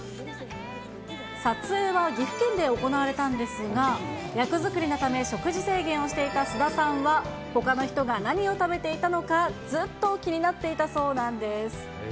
撮影は岐阜県で行われたんですが、役作りのため、食事制限をしていた菅田さんはほかの人が何を食べていたのか、ずっと気になっていたそうなんです。